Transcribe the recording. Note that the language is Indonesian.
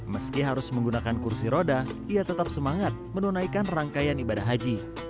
meski harus menggunakan kursi roda ia tetap semangat menunaikan rangkaian ibadah haji